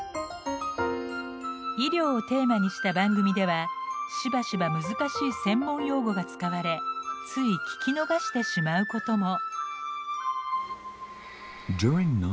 医療をテーマにした番組ではしばしば難しい専門用語が使われつい聞き逃してしまうことも。